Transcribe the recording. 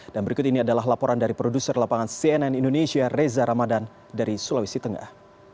dan berikut ini adalah laporan dari produser lapangan cnn indonesia reza ramadan dari sulawesi tengah